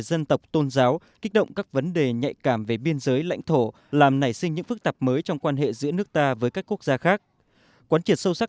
dân tộc tôn giáo kích động các vấn đề nhạy cảm về biên giới lãnh thổ làm nảy sinh những phức tạp